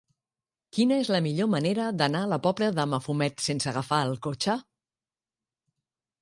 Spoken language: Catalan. Quina és la millor manera d'anar a la Pobla de Mafumet sense agafar el cotxe?